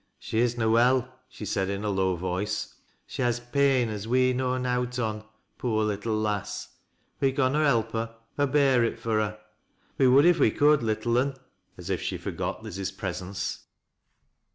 " She is na well," she said in a low voice. " She has pain as we know nowt on, poor little lass. We conna help her, or bear it fur her. We would if we could, little un," — as if she forgot Liz's presence.